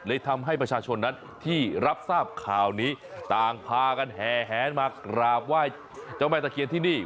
ทำให้ประชาชนนั้นที่รับทราบข่าวนี้ต่างพากันแห่แหนมากราบไหว้เจ้าแม่ตะเคียนที่นี่